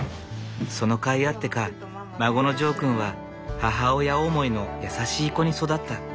その甲斐あってか孫のジョー君は母親思いの優しい子に育った。